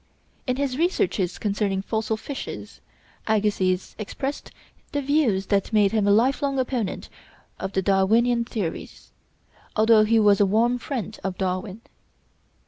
In his 'Researches concerning Fossil Fishes,' Agassiz expressed the views that made him a lifelong opponent of the Darwinian theories, although he was a warm friend of Darwin.